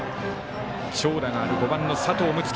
長打がある５番の佐藤夢樹。